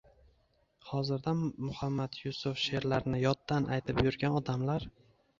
Hozirda Muhammad Yusuf she’rlarini yoddan aytib yurgan odamlar